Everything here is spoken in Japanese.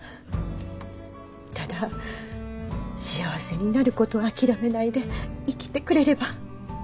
ただ幸せになることを諦めないで生きてくれれば。